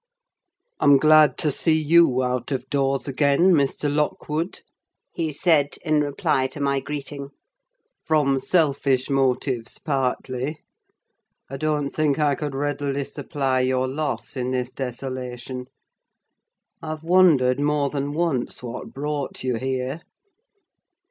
"I'm glad to see you out of doors again, Mr. Lockwood," he said, in reply to my greeting; "from selfish motives partly: I don't think I could readily supply your loss in this desolation. I've wondered more than once what brought you here."